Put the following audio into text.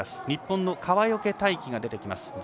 日本の川除大輝が出てきます。